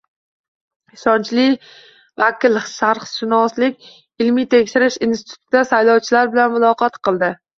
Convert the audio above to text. Ishonchli vakil Sharqshunoslik ilmiy-tekshirish institutida saylovchilar bilan muloqot qildi